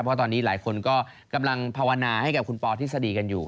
เพราะตอนนี้หลายคนก็กำลังภาวนาให้กับคุณปอทฤษฎีกันอยู่